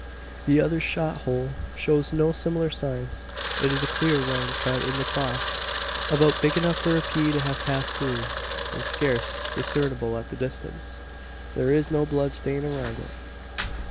The other shot hole shows no similar signs. It is a clear round cut in the cloth about big enough for a pea to have passed through, and scarce discernible at the distance. There is no blood stain around it.